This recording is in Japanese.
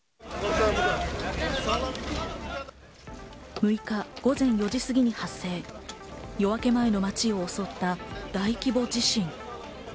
６日午前４時過ぎに発生、夜明け前の街を襲った大規模地震。